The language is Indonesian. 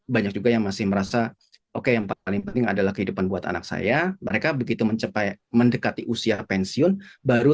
banyak juga yang masih merasa oke yang paling penting adalah kehidupan buat anak saya